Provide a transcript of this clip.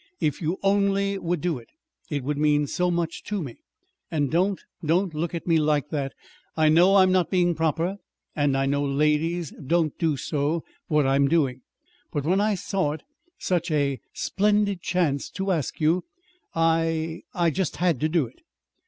If you only would do it it would mean so much to me! And don't don't look at me like that. I know I'm not being proper, and I know ladies don't do so what I'm doing. But when I saw it such a splendid chance to ask you, I I just had to do it."